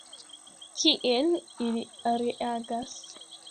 Kiel ili reagas?